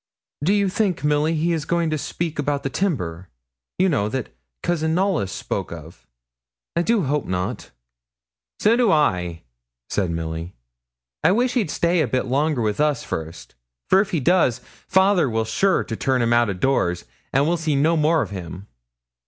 'Do you think, Milly, he is going to speak about the timber, you know, that Cousin Knollys spoke of? I do hope not.' 'So do I,' said Milly. 'I wish he'd stayed a bit longer with us first, for if he does, father will sure to turn him out of doors, and we'll see no more of him.'